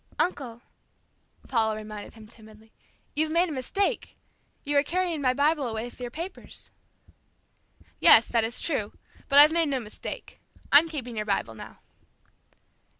"Uncle," Paula reminded him timidly, "you've made a mistake. You are carrying my Bible away with your papers." "Yes, that is true, but I've made no mistake. I'm keeping your Bible now."